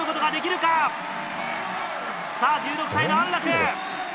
さぁ１６歳の安楽！